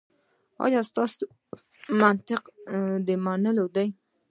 ایا ستاسو منطق د منلو دی؟